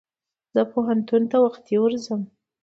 زه پوهنتون ته وختي ورځم.